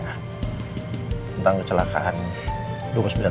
al tanya tentang mama sophia